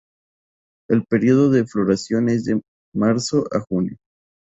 El período de floración es de marzo a junio.